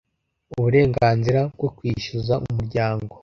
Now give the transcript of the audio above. uburenganzira bwo kwishyuza umuryango